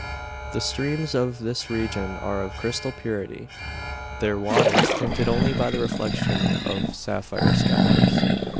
The streams of this region are of crystal purity their waters tinted only by the reflection of sapphire skies.